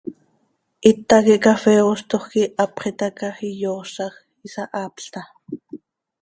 Hita quih cafee ooztoj quij hapx itaca, iyoozaj, isahaapl taa.